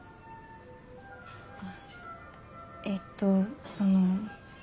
あえっとその。